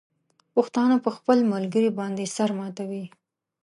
پښتانه په خپل ملګري باندې سر ماتوي.